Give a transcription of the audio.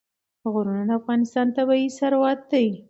غرونه د افغانستان طبعي ثروت دی.